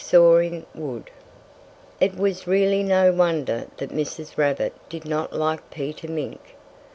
SAWING WOOD It was really no wonder that Mrs. Rabbit did not like Peter Mink.